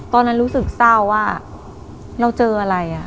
ตอนนั้นรู้สึกเศร้าว่าเราเจออะไร